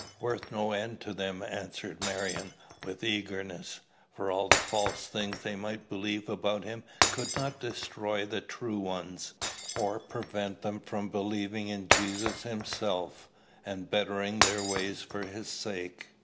"Worth no end to them," answered Marion with eagerness; "for all the false things they might believe about him could not destroy the true ones, or prevent them from believing in Jesus himself, and bettering their ways for his sake.